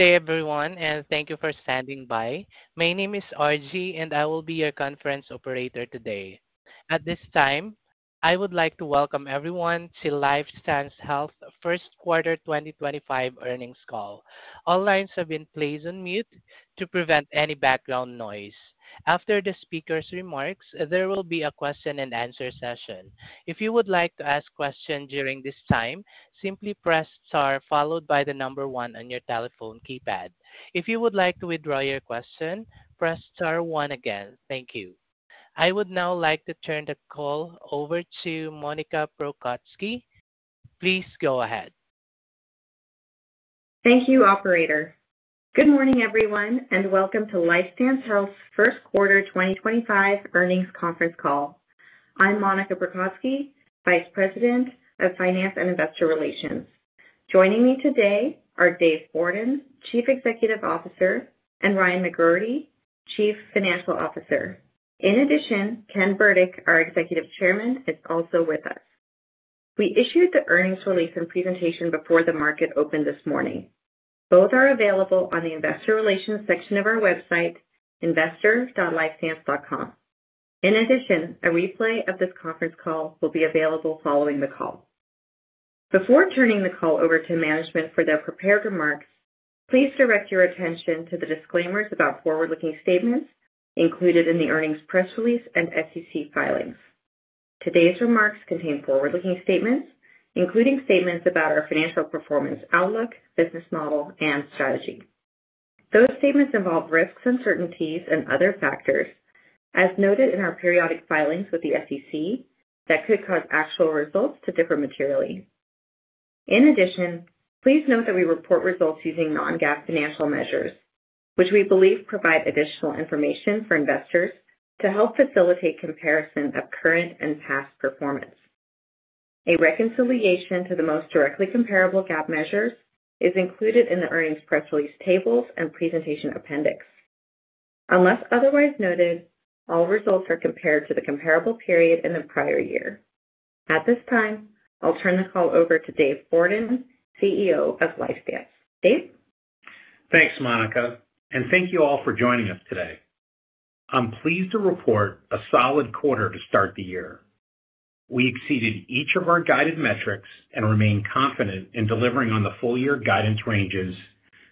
Good day, everyone, and thank you for standing by. My name is RG, and I will be your conference operator today. At this time, I would like to welcome everyone to Lifestance Health First Quarter 2025 earnings call. All lines have been placed on mute to prevent any background noise. After the speaker's remarks, there will be a question-and-answer session. If you would like to ask a question during this time, simply press * followed by the number 1 on your telephone keypad. If you would like to withdraw your question, press * again. Thank you. I would now like to turn the call over to Monica Prokocki. Please go ahead. Thank you, Operator. Good morning, everyone, and welcome to Lifestance Health first quarter 2025 earnings conference call. I'm Monica Prokocki, Vice President of Finance and Investor Relations. Joining me today are Dave Bourdon, Chief Executive Officer, and Ryan McGroarty, Chief Financial Officer. In addition, Ken Burdick, our Executive Chairman, is also with us. We issued the earnings release and presentation before the market opened this morning. Both are available on the Investor Relations section of our website, investor.lifestance.com. In addition, a replay of this conference call will be available following the call. Before turning the call over to management for their prepared remarks, please direct your attention to the disclaimers about forward-looking statements included in the earnings press release and SEC filings. Today's remarks contain forward-looking statements, including statements about our financial performance outlook, business model, and strategy. Those statements involve risks, uncertainties, and other factors, as noted in our periodic filings with the SEC, that could cause actual results to differ materially. In addition, please note that we report results using non-GAAP financial measures, which we believe provide additional information for investors to help facilitate comparison of current and past performance. A reconciliation to the most directly comparable GAAP measures is included in the earnings press release tables and presentation appendix. Unless otherwise noted, all results are compared to the comparable period in the prior year. At this time, I'll turn the call over to Dave Bourdon, CEO of Lifestance. Dave? Thanks, Monica, and thank you all for joining us today. I'm pleased to report a solid quarter to start the year. We exceeded each of our guided metrics and remain confident in delivering on the full-year guidance ranges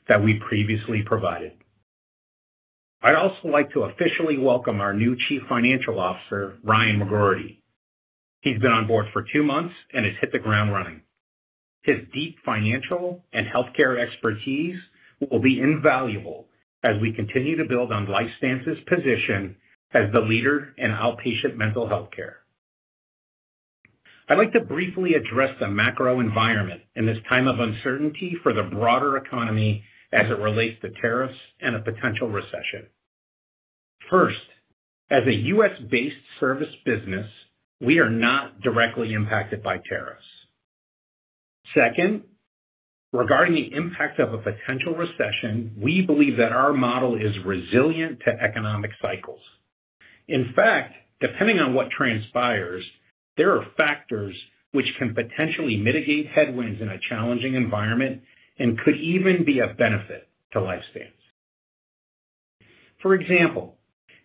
that we previously provided. I'd also like to officially welcome our new Chief Financial Officer, Ryan McGroarty. He's been on board for two months and has hit the ground running. His deep financial and healthcare expertise will be invaluable as we continue to build on Lifestance's position as the leader in outpatient mental healthcare. I'd like to briefly address the macro environment in this time of uncertainty for the broader economy as it relates to tariffs and a potential recession. First, as a U.S.-based service business, we are not directly impacted by tariffs. Second, regarding the impact of a potential recession, we believe that our model is resilient to economic cycles. In fact, depending on what transpires, there are factors which can potentially mitigate headwinds in a challenging environment and could even be of benefit to Lifestance. For example,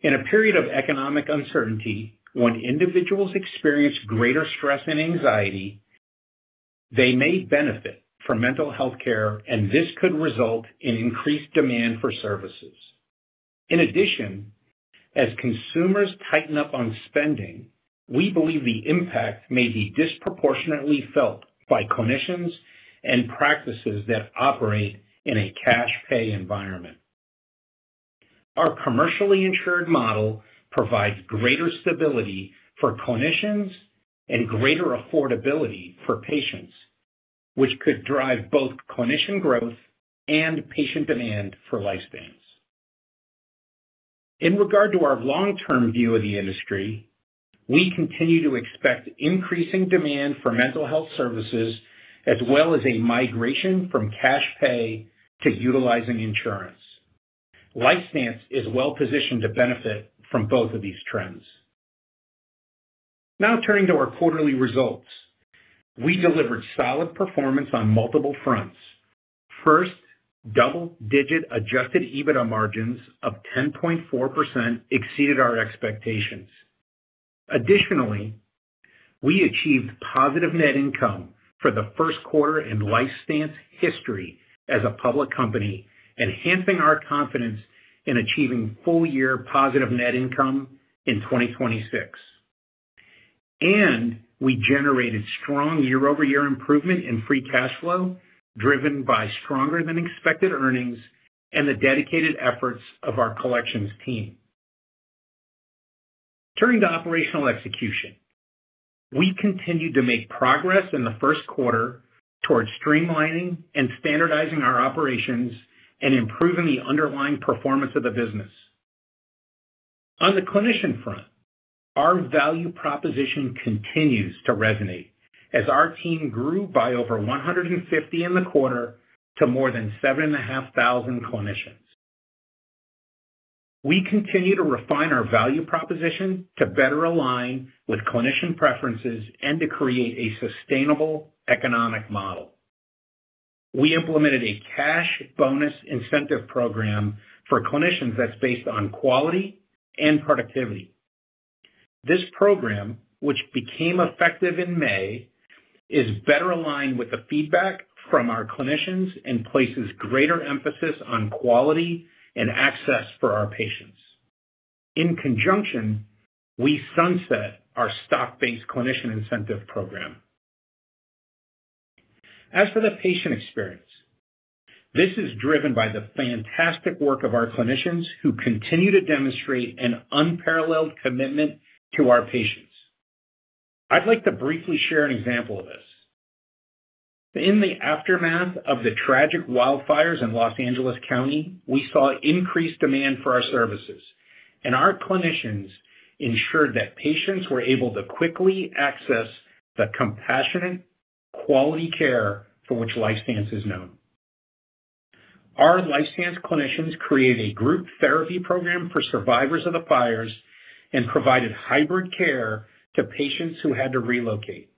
in a period of economic uncertainty, when individuals experience greater stress and anxiety, they may benefit from mental healthcare, and this could result in increased demand for services. In addition, as consumers tighten up on spending, we believe the impact may be disproportionately felt by clinicians and practices that operate in a cash-pay environment. Our commercially insured model provides greater stability for clinicians and greater affordability for patients, which could drive both clinician growth and patient demand for Lifestance. In regard to our long-term view of the industry, we continue to expect increasing demand for mental health services as well as a migration from cash-pay to utilizing insurance. Lifestance is well-positioned to benefit from both of these trends. Now, turning to our quarterly results, we delivered solid performance on multiple fronts. First, double-digit Adjusted EBITDA margins of 10.4% exceeded our expectations. Additionally, we achieved positive net income for the first quarter in Lifestance history as a public company, enhancing our confidence in achieving full-year positive net income in 2026. We generated strong year-over-year improvement in free cash flow, driven by stronger-than-expected earnings and the dedicated efforts of our collections team. Turning to operational execution, we continued to make progress in the first quarter toward streamlining and standardizing our operations and improving the underlying performance of the business. On the clinician front, our value proposition continues to resonate as our team grew by over 150 in the quarter to more than 7,500 clinicians. We continue to refine our value proposition to better align with clinician preferences and to create a sustainable economic model. We implemented a cash bonus incentive program for clinicians that's based on quality and productivity. This program, which became effective in May, is better aligned with the feedback from our clinicians and places greater emphasis on quality and access for our patients. In conjunction, we sunset our stock-based clinician incentive program. As for the patient experience, this is driven by the fantastic work of our clinicians who continue to demonstrate an unparalleled commitment to our patients. I'd like to briefly share an example of this. In the aftermath of the tragic wildfires in Los Angeles County, we saw increased demand for our services, and our clinicians ensured that patients were able to quickly access the compassionate, quality care for which Lifestance is known. Our Lifestance clinicians created a group therapy program for survivors of the fires and provided hybrid care to patients who had to relocate.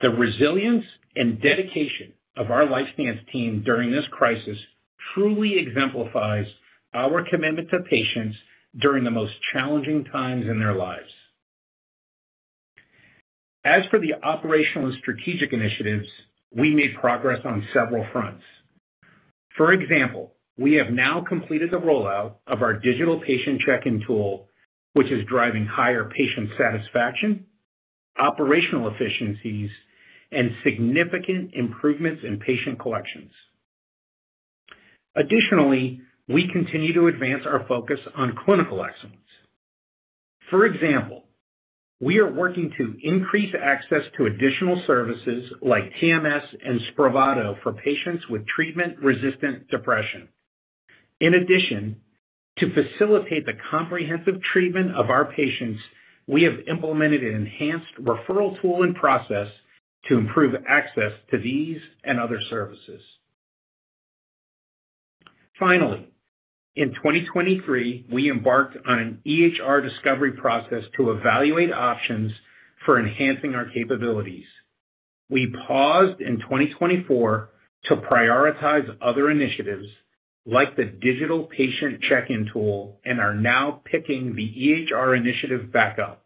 The resilience and dedication of our Lifestance team during this crisis truly exemplifies our commitment to patients during the most challenging times in their lives. As for the operational and strategic initiatives, we made progress on several fronts. For example, we have now completed the rollout of our digital patient check-in tool, which is driving higher patient satisfaction, operational efficiencies, and significant improvements in patient collections. Additionally, we continue to advance our focus on clinical excellence. For example, we are working to increase access to additional services like TMS and Spravato for patients with treatment-resistant depression. In addition, to facilitate the comprehensive treatment of our patients, we have implemented an enhanced referral tool and process to improve access to these and other services. Finally, in 2023, we embarked on an EHR discovery process to evaluate options for enhancing our capabilities. We paused in 2024 to prioritize other initiatives like the digital patient check-in tool and are now picking the EHR initiative back up.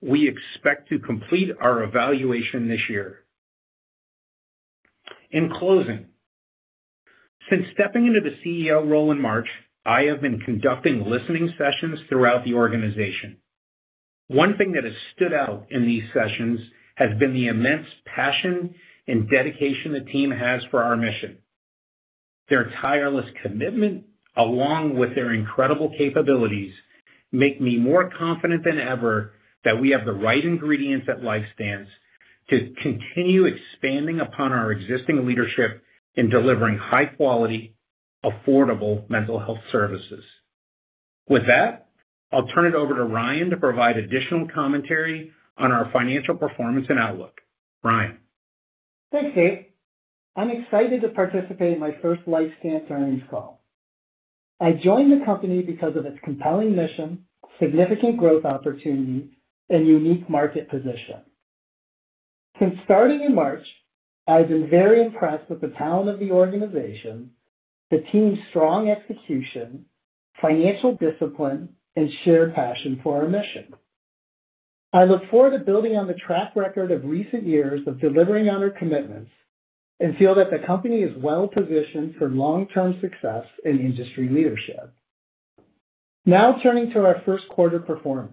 We expect to complete our evaluation this year. In closing, since stepping into the CEO role in March, I have been conducting listening sessions throughout the organization. One thing that has stood out in these sessions has been the immense passion and dedication the team has for our mission. Their tireless commitment, along with their incredible capabilities, makes me more confident than ever that we have the right ingredients at Lifestance to continue expanding upon our existing leadership in delivering high-quality, affordable mental health services. With that, I'll turn it over to Ryan to provide additional commentary on our financial performance and outlook. Ryan. Thanks, Dave. I'm excited to participate in my first Lifestance earnings call. I joined the company because of its compelling mission, significant growth opportunity, and unique market position. Since starting in March, I've been very impressed with the talent of the organization, the team's strong execution, financial discipline, and shared passion for our mission. I look forward to building on the track record of recent years of delivering on our commitments and feel that the company is well-positioned for long-term success in industry leadership. Now, turning to our first quarter performance,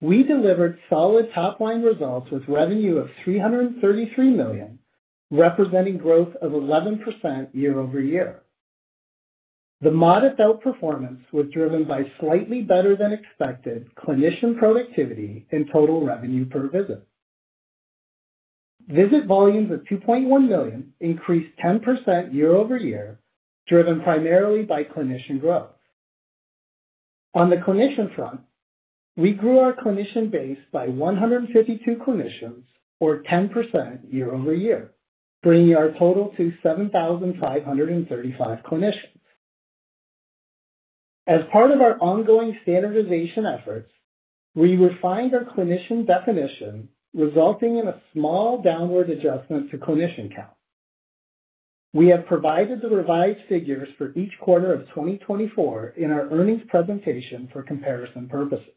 we delivered solid top-line results with revenue of $333 million, representing growth of 11% year-over-year. The modest outperformance was driven by slightly better-than-expected clinician productivity and total revenue per visit. Visit volumes of 2.1 million increased 10% year-over-year, driven primarily by clinician growth. On the clinician front, we grew our clinician base by 152 clinicians, or 10% year-over-year, bringing our total to 7,535 clinicians. As part of our ongoing standardization efforts, we refined our clinician definition, resulting in a small downward adjustment to clinician count. We have provided the revised figures for each quarter of 2024 in our earnings presentation for comparison purposes.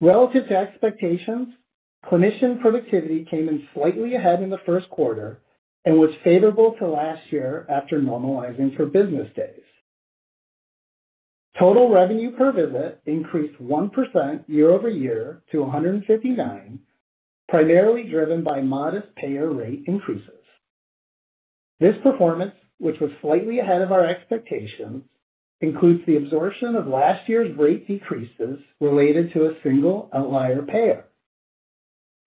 Relative to expectations, clinician productivity came in slightly ahead in the first quarter and was favorable to last year after normalizing for business days. Total revenue per visit increased 1% year-over-year to $159, primarily driven by modest payer rate increases. This performance, which was slightly ahead of our expectations, includes the absorption of last year's rate decreases related to a single outlier payer.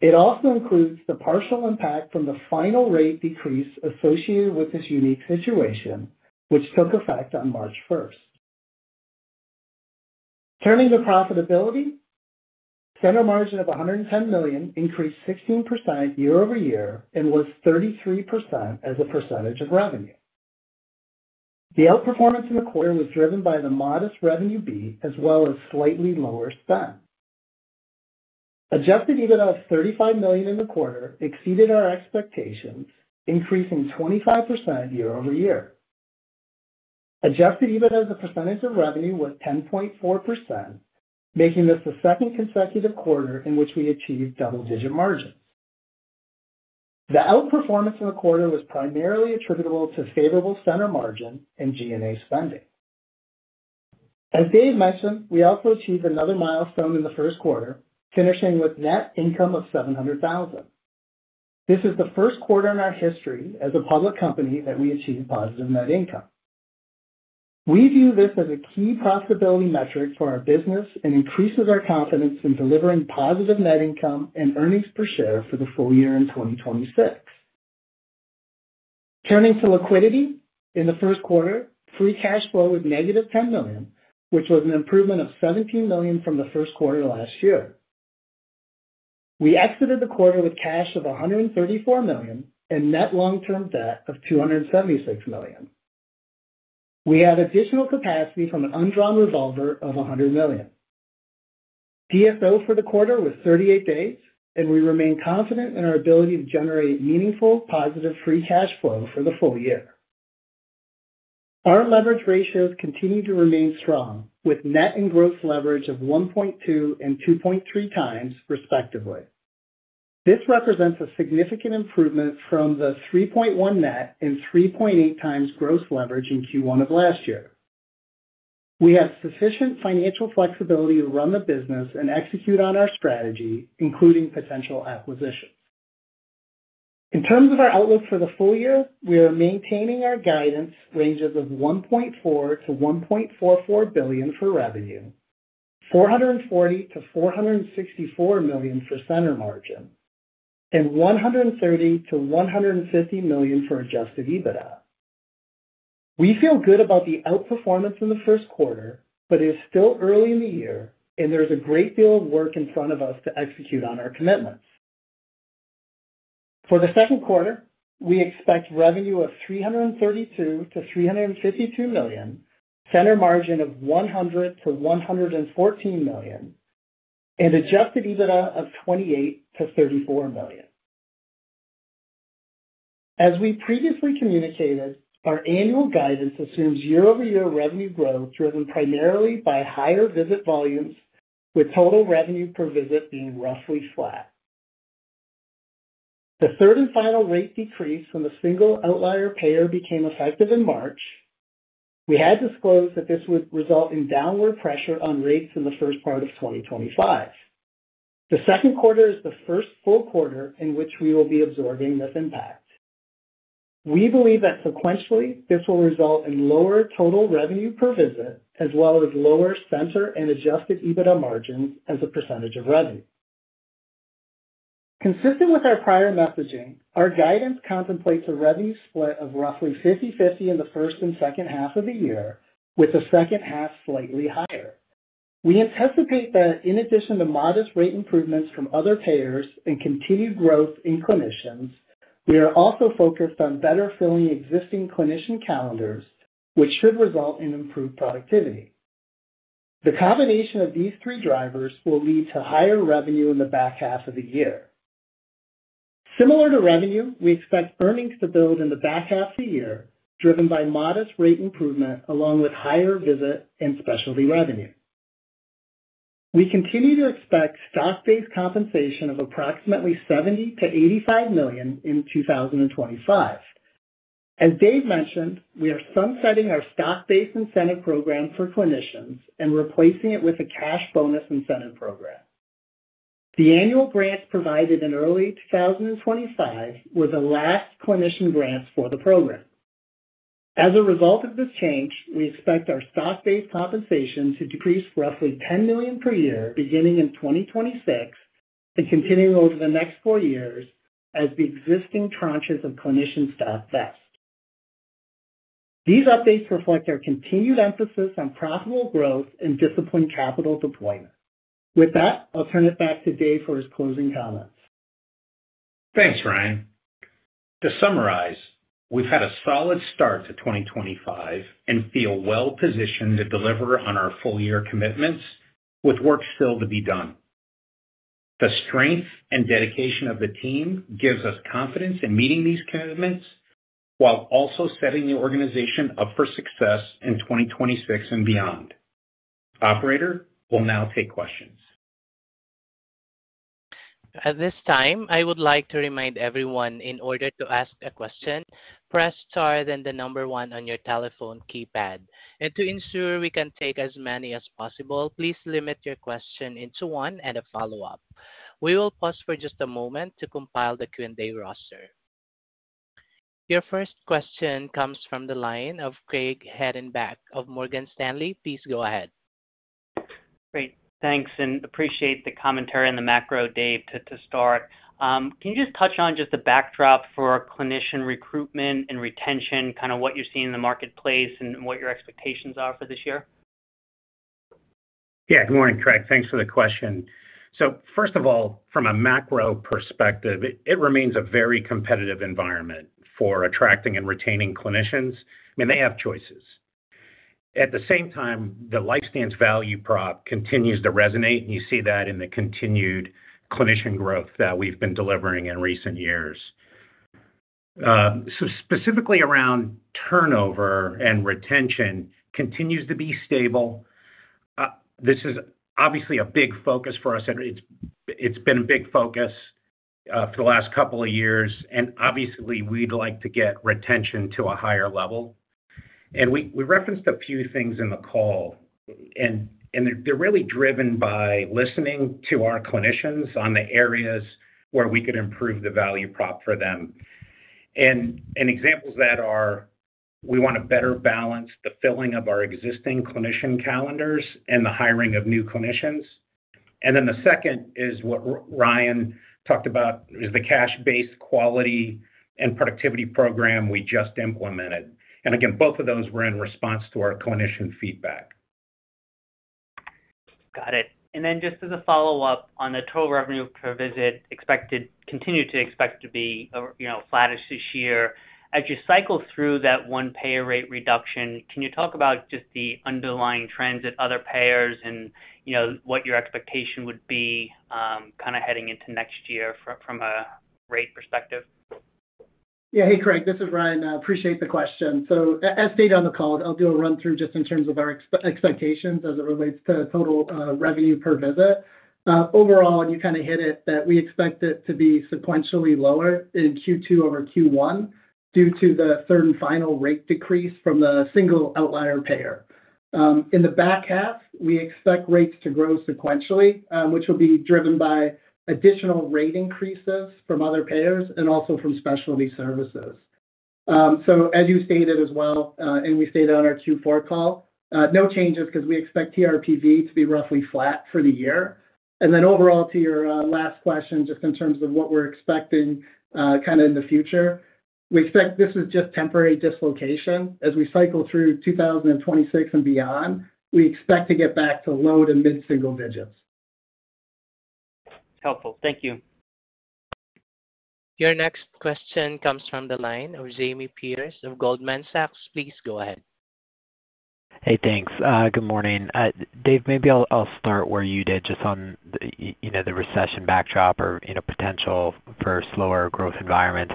It also includes the partial impact from the final rate decrease associated with this unique situation, which took effect on March 1st. Turning to profitability, center margin of $110 million increased 16% year-over-year and was 33% as a percentage of revenue. The outperformance in the quarter was driven by the modest revenue beat as well as slightly lower spend. Adjusted EBITDA of $35 million in the quarter exceeded our expectations, increasing 25% year-over-year. Adjusted EBITDA as a percentage of revenue was 10.4%, making this the second consecutive quarter in which we achieved double-digit margins. The outperformance in the quarter was primarily attributable to favorable center margin and G&A spending. As Dave mentioned, we also achieved another milestone in the first quarter, finishing with net income of $700,000. This is the first quarter in our history as a public company that we achieved positive net income. We view this as a key profitability metric for our business and increases our confidence in delivering positive net income and earnings per share for the full year in 2026. Turning to liquidity, in the first quarter, free cash flow was negative $10 million, which was an improvement of $17 million from the first quarter last year. We exited the quarter with cash of $134 million and net long-term debt of $276 million. We had additional capacity from an undrawn revolver of $100 million. DSO for the quarter was 38 days, and we remain confident in our ability to generate meaningful positive free cash flow for the full year. Our leverage ratios continue to remain strong, with net and gross leverage of 1.2 and 2.3 times, respectively. This represents a significant improvement from the 3.1 net and 3.8 times gross leverage in Q1 of last year. We have sufficient financial flexibility to run the business and execute on our strategy, including potential acquisitions. In terms of our outlook for the full year, we are maintaining our guidance ranges of $1.4 billion-$1.44 billion for revenue, $440 million-$464 million for center margin, and $130 million-$150 million for Adjusted EBITDA. We feel good about the outperformance in the first quarter, but it is still early in the year, and there's a great deal of work in front of us to execute on our commitments. For the second quarter, we expect revenue of $332 million-$352 million, center margin of $100 million-$114 million, and Adjusted EBITDA of $28 million-$34 million. As we previously communicated, our annual guidance assumes year-over-year revenue growth driven primarily by higher visit volumes, with total revenue per visit being roughly flat. The third and final rate decrease from the single outlier payer became effective in March. We had disclosed that this would result in downward pressure on rates in the first part of 2025. The second quarter is the first full quarter in which we will be absorbing this impact. We believe that sequentially, this will result in lower total revenue per visit, as well as lower center and Adjusted EBITDA margins as a percentage of revenue. Consistent with our prior messaging, our guidance contemplates a revenue split of roughly 50/50 in the first and second half of the year, with the second half slightly higher. We anticipate that in addition to modest rate improvements from other payers and continued growth in clinicians, we are also focused on better filling existing clinician calendars, which should result in improved productivity. The combination of these three drivers will lead to higher revenue in the back half of the year. Similar to revenue, we expect earnings to build in the back half of the year, driven by modest rate improvement along with higher visit and specialty revenue. We continue to expect stock-based compensation of approximately $70 million-$85 million in 2025. As Dave mentioned, we are sunsetting our stock-based incentive program for clinicians and replacing it with a cash bonus incentive program. The annual grants provided in early 2025 were the last clinician grants for the program. As a result of this change, we expect our stock-based compensation to decrease roughly $10 million per year, beginning in 2026 and continuing over the next four years as the existing tranches of clinician stock vest. These updates reflect our continued emphasis on profitable growth and disciplined capital deployment. With that, I'll turn it back to Dave for his closing comments. Thanks, Ryan. To summarize, we've had a solid start to 2025 and feel well-positioned to deliver on our full-year commitments with work still to be done. The strength and dedication of the team gives us confidence in meeting these commitments while also setting the organization up for success in 2026 and beyond. Operator will now take questions. At this time, I would like to remind everyone in order to ask a question, press star then the number one on your telephone keypad. To ensure we can take as many as possible, please limit your question to one and a follow-up. We will pause for just a moment to compile the Q&A roster. Your first question comes from the line of Craig Hettenbach of Morgan Stanley. Please go ahead. Great. Thanks, and appreciate the commentary on the macro, Dave, to start. Can you just touch on just the backdrop for clinician recruitment and retention, kind of what you're seeing in the marketplace and what your expectations are for this year? Yeah. Good morning, Craig. Thanks for the question. First of all, from a macro perspective, it remains a very competitive environment for attracting and retaining clinicians. I mean, they have choices. At the same time, the Lifestance value prop continues to resonate, and you see that in the continued clinician growth that we've been delivering in recent years. Specifically around turnover and retention, it continues to be stable. This is obviously a big focus for us. It's been a big focus for the last couple of years, and obviously, we'd like to get retention to a higher level. We referenced a few things in the call, and they're really driven by listening to our clinicians on the areas where we could improve the value prop for them. Examples of that are, we want to better balance the filling of our existing clinician calendars and the hiring of new clinicians. The second is what Ryan talked about, the cash-based quality and productivity program we just implemented. Both of those were in response to our clinician feedback. Got it. Just as a follow-up on the total revenue per visit, continued to expect to be flatter this year. As you cycle through that one payer rate reduction, can you talk about just the underlying trends at other payers and what your expectation would be kind of heading into next year from a rate perspective? Yeah. Hey, Craig. This is Ryan. I appreciate the question. As stated on the call, I'll do a run-through just in terms of our expectations as it relates to total revenue per visit. Overall, and you kind of hit it, we expect it to be sequentially lower in Q2 over Q1 due to the third and final rate decrease from the single outlier payer. In the back half, we expect rates to grow sequentially, which will be driven by additional rate increases from other payers and also from specialty services. As you stated as well, and we stated on our Q4 call, no changes because we expect TRPV to be roughly flat for the year. Overall, to your last question, just in terms of what we're expecting kind of in the future, we expect this is just temporary dislocation. As we cycle through 2026 and beyond, we expect to get back to low to mid-single digits. Helpful. Thank you. Your next question comes from the line of Jamie Pierce of Goldman Sachs. Please go ahead. Hey, thanks. Good morning. Dave, maybe I'll start where you did just on the recession backdrop or potential for a slower growth environment.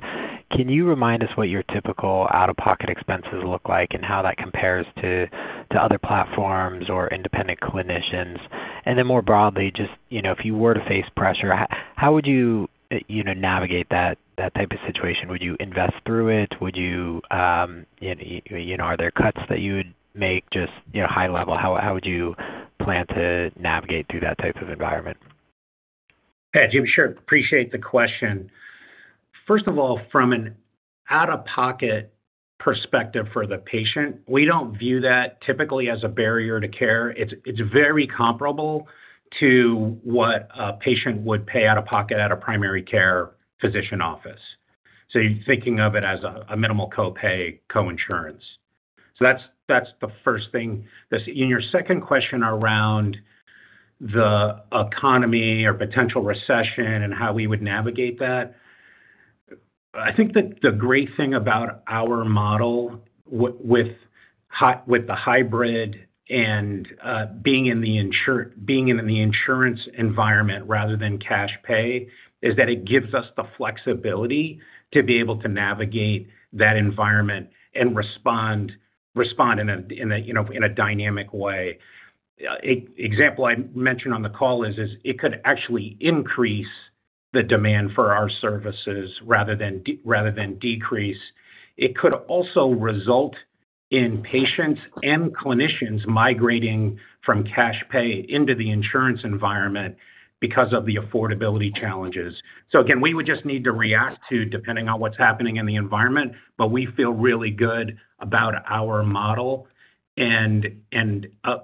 Can you remind us what your typical out-of-pocket expenses look like and how that compares to other platforms or independent clinicians? And then more broadly, just if you were to face pressure, how would you navigate that type of situation? Would you invest through it? Are there cuts that you would make? Just high level, how would you plan to navigate through that type of environment? Yeah. Jamie, sure. Appreciate the question. First of all, from an out-of-pocket perspective for the patient, we do not view that typically as a barrier to care. It is very comparable to what a patient would pay out of pocket at a primary care physician office. You are thinking of it as a minimal copay, coinsurance. That is the first thing. In your second question around the economy or potential recession and how we would navigate that, I think that the great thing about our model with the hybrid and being in the insurance environment rather than cash pay is that it gives us the flexibility to be able to navigate that environment and respond in a dynamic way. Example I mentioned on the call is it could actually increase the demand for our services rather than decrease. It could also result in patients and clinicians migrating from cash pay into the insurance environment because of the affordability challenges. We would just need to react to depending on what's happening in the environment, but we feel really good about our model and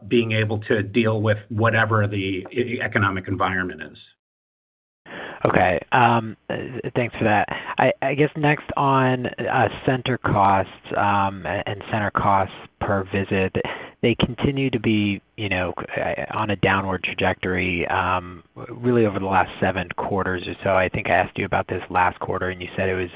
being able to deal with whatever the economic environment is. Okay. Thanks for that. I guess next on center costs and center costs per visit, they continue to be on a downward trajectory really over the last seven quarters or so. I think I asked you about this last quarter, and you said it was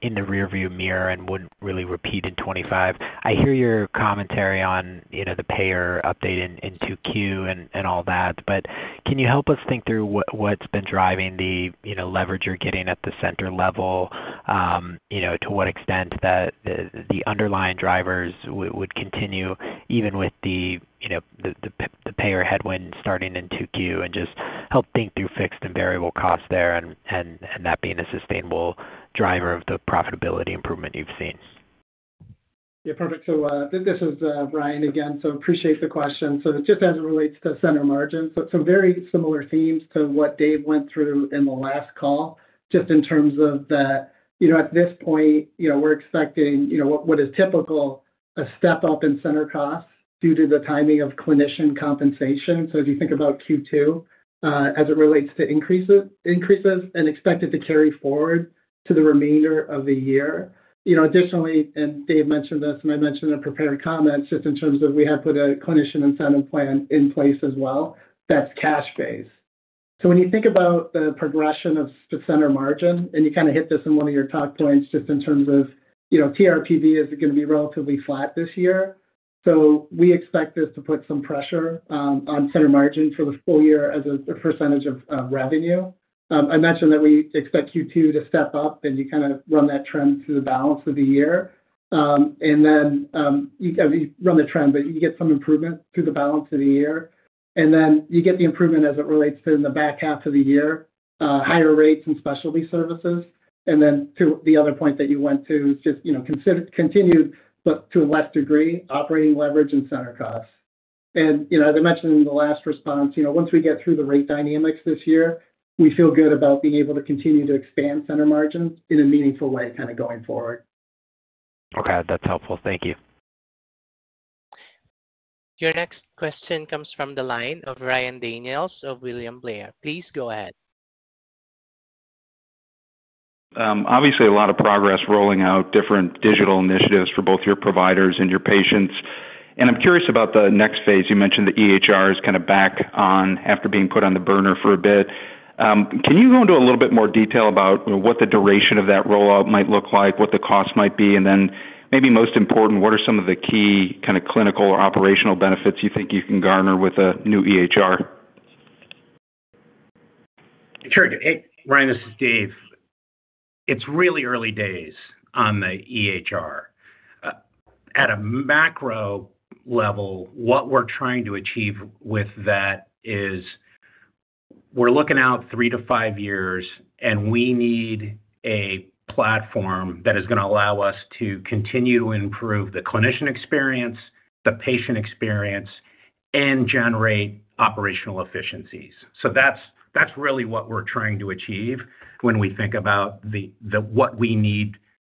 in the rearview mirror and would not really repeat in 2025. I hear your commentary on the payer update in Q2 and all that, but can you help us think through what has been driving the leverage you are getting at the center level? To what extent the underlying drivers would continue even with the payer headwind starting in Q2 and just help think through fixed and variable costs there and that being a sustainable driver of the profitability improvement you have seen? Yeah. Perfect. This is Ryan again, so appreciate the question. Just as it relates to center margin, some very similar themes to what Dave went through in the last call, just in terms of that at this point, we're expecting what is typical, a step up in center costs due to the timing of clinician compensation. If you think about Q2 as it relates to increases and expected to carry forward to the remainder of the year. Additionally, and Dave mentioned this, and I mentioned in prepared comments just in terms of we have put a clinician incentive plan in place as well that's cash-based. When you think about the progression of center margin, and you kind of hit this in one of your talk points just in terms of TRPV is going to be relatively flat this year. We expect this to put some pressure on center margin for the full year as a percentage of revenue. I mentioned that we expect Q2 to step up, and you kind of run that trend through the balance of the year. You run the trend, but you get some improvement through the balance of the year. You get the improvement as it relates to in the back half of the year, higher rates and specialty services. To the other point that you went to, it is just continued, but to a less degree, operating leverage and center costs. As I mentioned in the last response, once we get through the rate dynamics this year, we feel good about being able to continue to expand center margin in a meaningful way kind of going forward. Okay. That's helpful. Thank you. Your next question comes from the line of Ryan Daniels of William Blair. Please go ahead. Obviously, a lot of progress rolling out different digital initiatives for both your providers and your patients. I'm curious about the next phase. You mentioned the EHR is kind of back on after being put on the burner for a bit. Can you go into a little bit more detail about what the duration of that rollout might look like, what the cost might be, and then maybe most important, what are some of the key kind of clinical or operational benefits you think you can garner with a new EHR? Sure. Hey, Ryan, this is Dave. It's really early days on the EHR. At a macro level, what we're trying to achieve with that is we're looking out three to five years, and we need a platform that is going to allow us to continue to improve the clinician experience, the patient experience, and generate operational efficiencies. That's really what we're trying to achieve when we think about what we need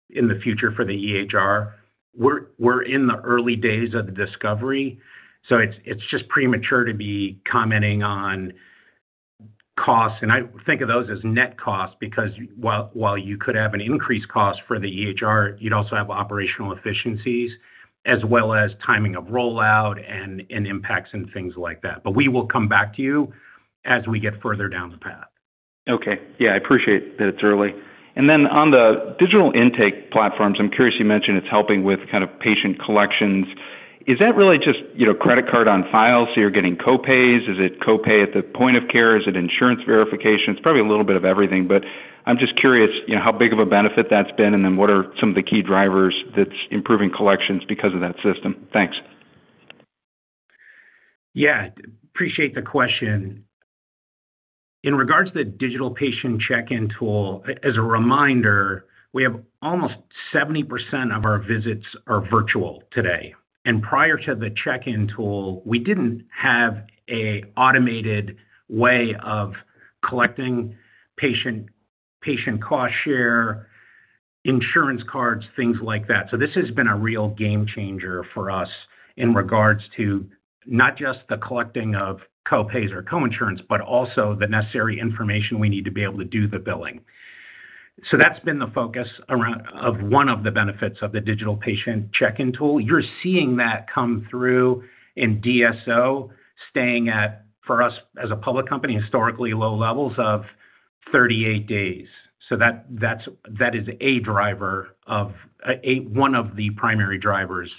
in the future for the EHR. We're in the early days of the discovery, so it's just premature to be commenting on costs. I think of those as net costs because while you could have an increased cost for the EHR, you'd also have operational efficiencies as well as timing of rollout and impacts and things like that. We will come back to you as we get further down the path. Okay. Yeah. I appreciate that it's early. On the digital intake platforms, I'm curious, you mentioned it's helping with kind of patient collections. Is that really just credit card on file? So you're getting copays? Is it copay at the point of care? Is it insurance verification? It's probably a little bit of everything, but I'm just curious how big of a benefit that's been, and then what are some of the key drivers that's improving collections because of that system? Thanks. Yeah. Appreciate the question. In regards to the digital patient check-in tool, as a reminder, we have almost 70% of our visits are virtual today. Prior to the check-in tool, we did not have an automated way of collecting patient cost share, insurance cards, things like that. This has been a real game changer for us in regards to not just the collecting of copays or coinsurance, but also the necessary information we need to be able to do the billing. That has been the focus of one of the benefits of the digital patient check-in tool. You are seeing that come through in DSO, staying at, for us as a public company, historically low levels of 38 days. That is one of the primary drivers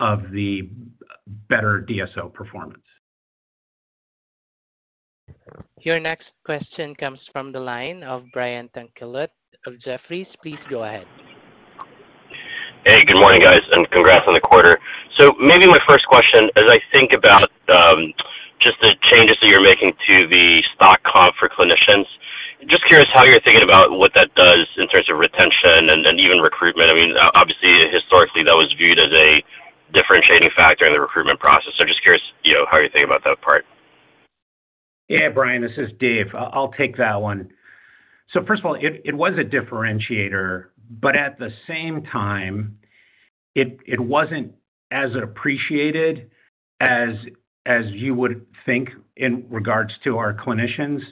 of the better DSO performance. Your next question comes from the line of Brian Tanquilut of Jefferies. Please go ahead. Hey. Good morning, guys, and congrats on the quarter. Maybe my first question, as I think about just the changes that you're making to the stock comp for clinicians, just curious how you're thinking about what that does in terms of retention and even recruitment. I mean, obviously, historically, that was viewed as a differentiating factor in the recruitment process. Just curious how you think about that part. Yeah. Brian, this is Dave. I'll take that one. First of all, it was a differentiator, but at the same time, it wasn't as appreciated as you would think in regards to our clinicians.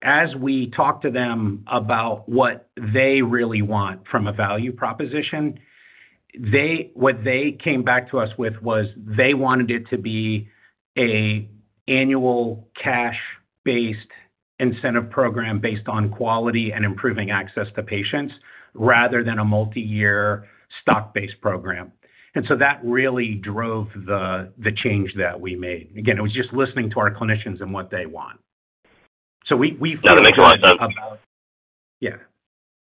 As we talked to them about what they really want from a value proposition, what they came back to us with was they wanted it to be an annual cash-based incentive program based on quality and improving access to patients rather than a multi-year stock-based program. That really drove the change that we made. Again, it was just listening to our clinicians and what they want. We felt about. Yeah.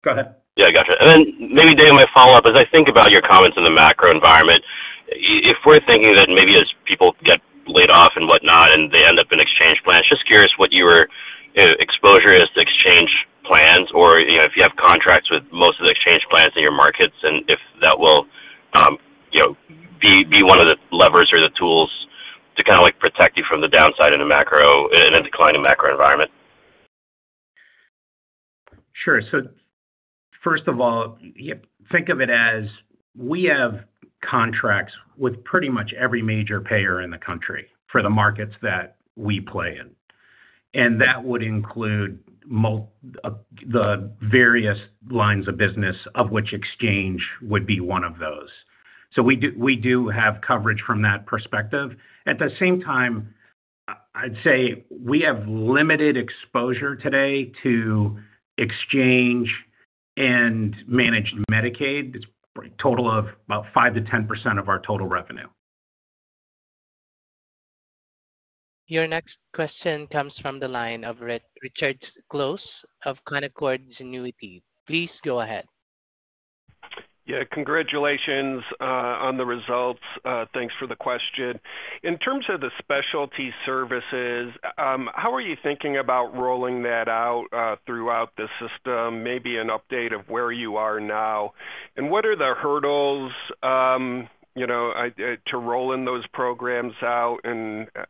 Go ahead. Gotcha. Maybe, Dave, my follow-up is I think about your comments in the macro environment. If we're thinking that maybe as people get laid off and whatnot and they end up in exchange plans, just curious what your exposure is to exchange plans or if you have contracts with most of the exchange plans in your markets and if that will be one of the levers or the tools to kind of protect you from the downside in a declining macro environment. Sure. First of all, think of it as we have contracts with pretty much every major payer in the country for the markets that we play in. That would include the various lines of business, of which exchange would be one of those. We do have coverage from that perspective. At the same time, I'd say we have limited exposure today to exchange and managed Medicaid. It is a total of about 5-10% of our total revenue. Your next question comes from the line of Richard Close of Canaccord Genuity. Please go ahead. Yeah. Congratulations on the results. Thanks for the question. In terms of the specialty services, how are you thinking about rolling that out throughout the system? Maybe an update of where you are now. What are the hurdles to rolling those programs out?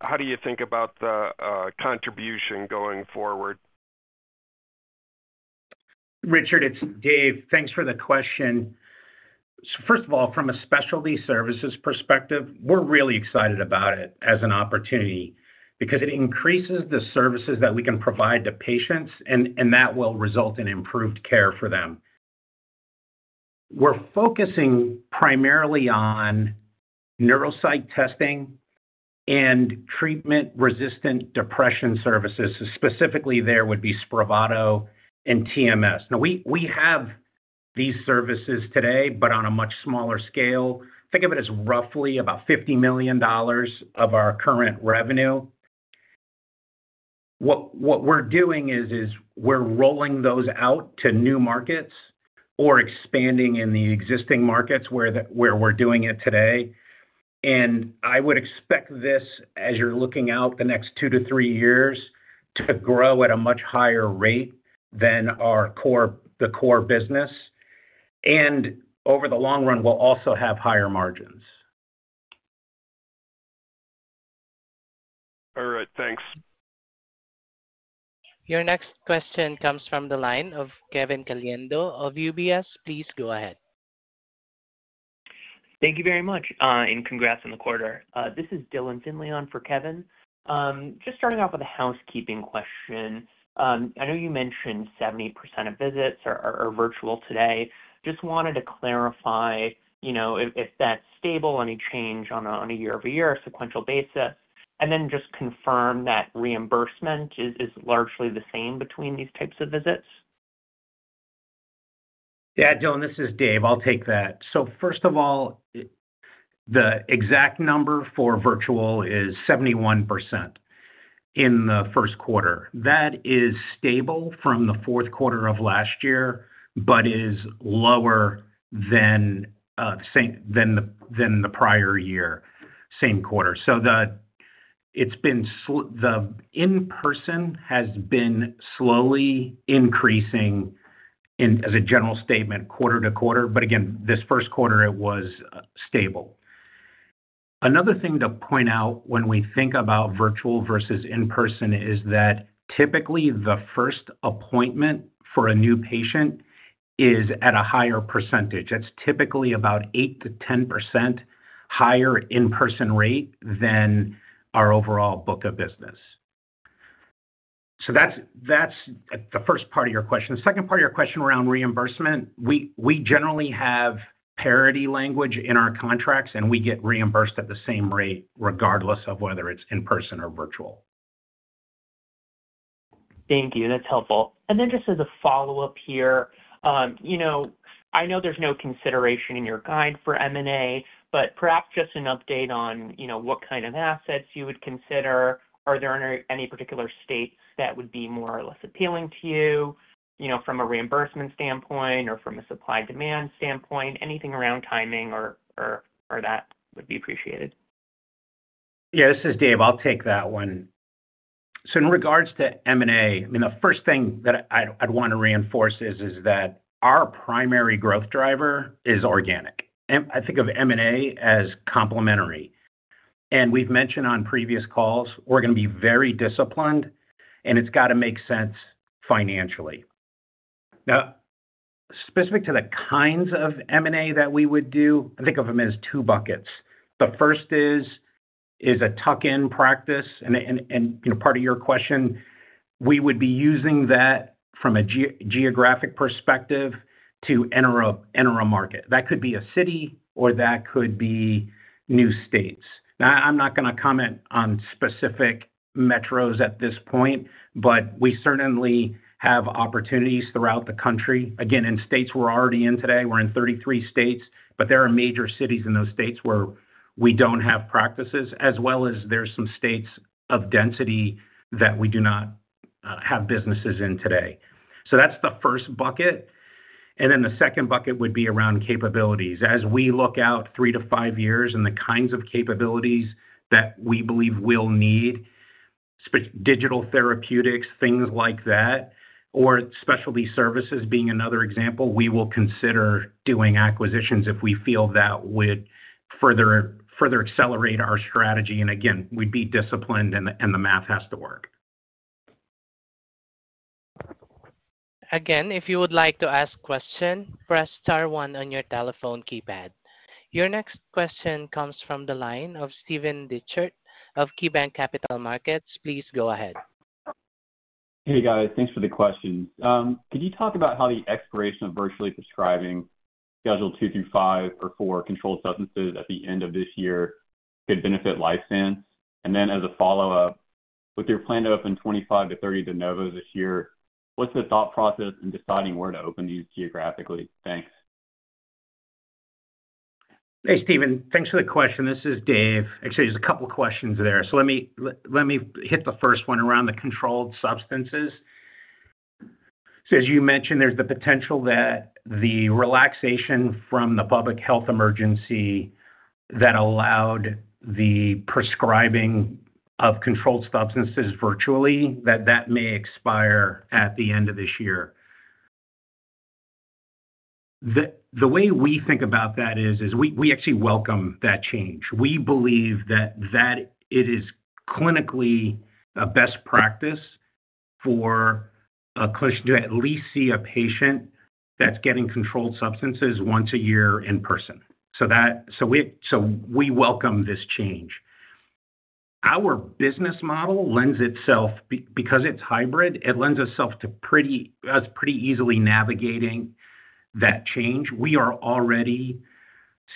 How do you think about the contribution going forward? Richard, it's Dave. Thanks for the question. First of all, from a specialty services perspective, we're really excited about it as an opportunity because it increases the services that we can provide to patients, and that will result in improved care for them. We're focusing primarily on neuropsych testing and treatment-resistant depression services. Specifically, there would be Spravato and TMS. Now, we have these services today, but on a much smaller scale. Think of it as roughly about $50 million of our current revenue. What we're doing is we're rolling those out to new markets or expanding in the existing markets where we're doing it today. I would expect this, as you're looking out the next two to three years, to grow at a much higher rate than the core business. Over the long run, we'll also have higher margins. All right. Thanks. Your next question comes from the line of Kevin Caliendo of UBS. Please go ahead. Thank you very much, and congrats on the quarter. This is Dylan Finley on for Kevin. Just starting off with a housekeeping question. I know you mentioned 70% of visits are virtual today. Just wanted to clarify if that's stable, any change on a year-over-year sequential basis, and then just confirm that reimbursement is largely the same between these types of visits. Yeah. Dylan, this is Dave. I'll take that. So first of all, the exact number for virtual is 71% in the first quarter. That is stable from the fourth quarter of last year, but is lower than the prior year, same quarter. So the in-person has been slowly increasing as a general statement quarter to quarter. Again, this first quarter, it was stable. Another thing to point out when we think about virtual versus in-person is that typically the first appointment for a new patient is at a higher percentage. That's typically about 8-10% higher in-person rate than our overall book of business. That's the first part of your question. The second part of your question around reimbursement, we generally have parity language in our contracts, and we get reimbursed at the same rate regardless of whether it's in-person or virtual. Thank you. That's helpful. Just as a follow-up here, I know there's no consideration in your guide for M&A, but perhaps just an update on what kind of assets you would consider. Are there any particular states that would be more or less appealing to you from a reimbursement standpoint or from a supply-demand standpoint? Anything around timing or that would be appreciated? Yeah. This is Dave. I'll take that one. In regards to M&A, the first thing that I'd want to reinforce is that our primary growth driver is organic. I think of M&A as complementary. We've mentioned on previous calls, we're going to be very disciplined, and it's got to make sense financially. Now, specific to the kinds of M&A that we would do, I think of them as two buckets. The first is a tuck-in practice. Part of your question, we would be using that from a geographic perspective to enter a market. That could be a city, or that could be new states. I'm not going to comment on specific metros at this point, but we certainly have opportunities throughout the country. Again, in states we're already in today, we're in 33 states, but there are major cities in those states where we don't have practices, as well as there are some states of density that we do not have businesses in today. That is the first bucket. The second bucket would be around capabilities. As we look out three to five years and the kinds of capabilities that we believe we'll need, digital therapeutics, things like that, or specialty services being another example, we will consider doing acquisitions if we feel that would further accelerate our strategy. Again, we'd be disciplined, and the math has to work. Again, if you would like to ask a question, press star one on your telephone keypad. Your next question comes from the line of Steven Dechert of KeyBank Capital Markets. Please go ahead. Hey, guys. Thanks for the question. Could you talk about how the expiration of virtually prescribing scheduled two through five or four controlled substances at the end of this year could benefit Lifestance? And then as a follow-up, with your plan to open 25-30 Denovos this year, what's the thought process in deciding where to open these geographically? Thanks. Hey, Steven. Thanks for the question. This is Dave. Actually, there's a couple of questions there. Let me hit the first one around the controlled substances. As you mentioned, there's the potential that the relaxation from the public health emergency that allowed the prescribing of controlled substances virtually, that may expire at the end of this year. The way we think about that is we actually welcome that change. We believe that it is clinically a best practice for a clinician to at least see a patient that's getting controlled substances once a year in person. We welcome this change. Our business model lends itself, because it's hybrid, it lends itself to us pretty easily navigating that change. We are already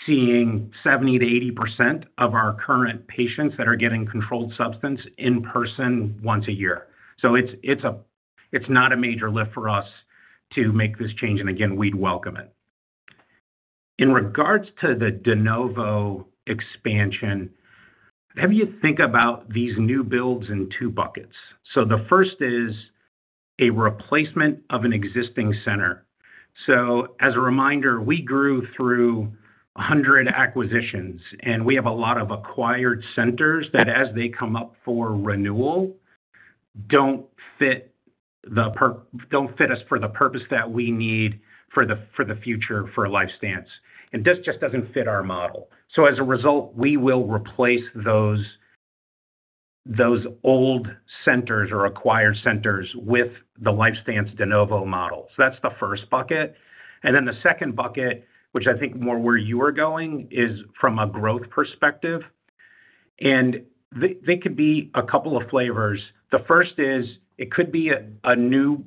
seeing 70%-80% of our current patients that are getting controlled substance in person once a year. It is not a major lift for us to make this change. Again, we would welcome it. In regards to the Denovo expansion, how do you think about these new builds in two buckets? The first is a replacement of an existing center. As a reminder, we grew through 100 acquisitions, and we have a lot of acquired centers that, as they come up for renewal, do not fit us for the purpose that we need for the future for Lifestance. This just does not fit our model. As a result, we will replace those old centers or acquired centers with the Lifestance Denovo model. That is the first bucket. The second bucket, which I think is more where you are going, is from a growth perspective. They could be a couple of flavors. The first is it could be a new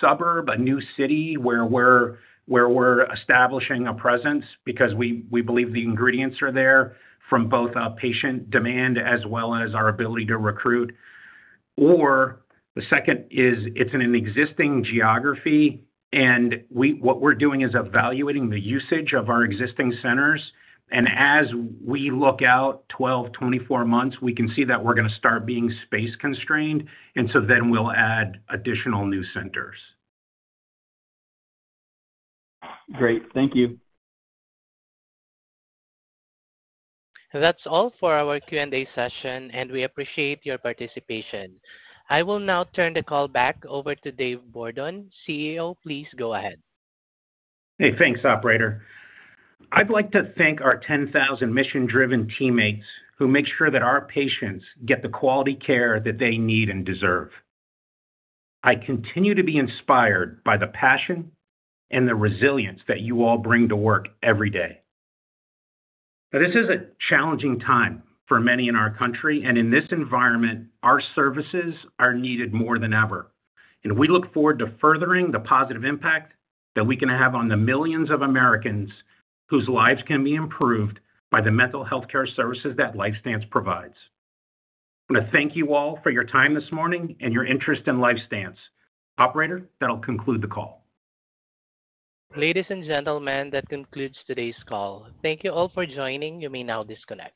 suburb, a new city where we're establishing a presence because we believe the ingredients are there from both our patient demand as well as our ability to recruit. The second is it's in an existing geography, and what we're doing is evaluating the usage of our existing centers. As we look out 12, 24 months, we can see that we're going to start being space constrained. Then we'll add additional new centers. Great. Thank you. That's all for our Q&A session, and we appreciate your participation. I will now turn the call back over to Dave Bourdon, CEO. Please go ahead. Hey, thanks, operator. I'd like to thank our 10,000 mission-driven teammates who make sure that our patients get the quality care that they need and deserve. I continue to be inspired by the passion and the resilience that you all bring to work every day. This is a challenging time for many in our country. In this environment, our services are needed more than ever. We look forward to furthering the positive impact that we can have on the millions of Americans whose lives can be improved by the mental healthcare services that Lifestance Health provides. I want to thank you all for your time this morning and your interest in Lifestance Health. Operator, that'll conclude the call. Ladies and gentlemen, that concludes today's call. Thank you all for joining. You may now disconnect.